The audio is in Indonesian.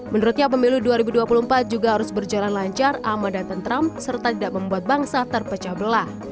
menurutnya pemilu dua ribu dua puluh empat juga harus berjalan lancar aman dan tentram serta tidak membuat bangsa terpecah belah